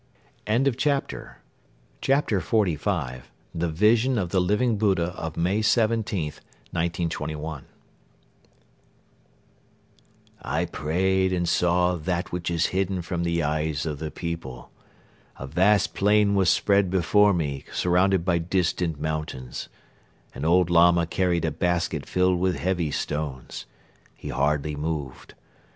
CHAPTER XLV THE VISION OF THE LIVING BUDDHA OF MAY 17, 1921 "I prayed and saw that which is hidden from the eyes of the people. A vast plain was spread before me surrounded by distant mountains. An old Lama carried a basket filled with heavy stones. He hardly moved.